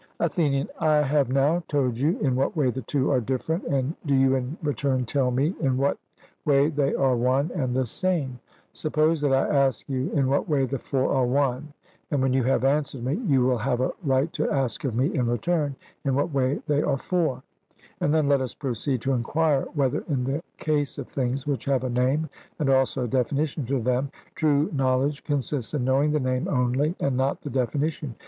ATHENIAN: I have now told you in what way the two are different, and do you in return tell me in what way they are one and the same. Suppose that I ask you in what way the four are one, and when you have answered me, you will have a right to ask of me in return in what way they are four; and then let us proceed to enquire whether in the case of things which have a name and also a definition to them, true knowledge consists in knowing the name only and not the definition.